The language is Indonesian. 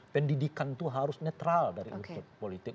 pendidikan tuh harus netral dari usaha politik